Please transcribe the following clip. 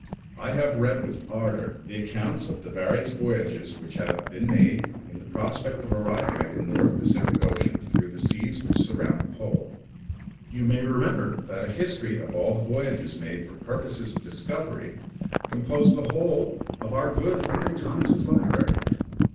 I have read with ardour the accounts of the various voyages which have been made in the prospect of arriving at the North Pacific Ocean through the seas which surround the pole. You may remember that a history of all the voyages made for purposes of discovery composed the whole of our good Uncle Thomas' library.